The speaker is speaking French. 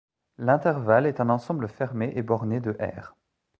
L'intervalle est un ensemble fermé et borné de ℝ.